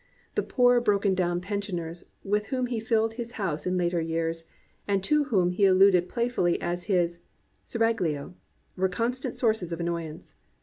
The poor broken down pensioners with whom he filled his house in later years, and to whom he alluded playfully as his se raglioy were a constant source of annoyance.